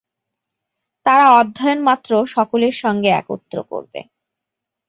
তারা অধ্যয়ন-মাত্র সকলের সঙ্গে একত্র করবে।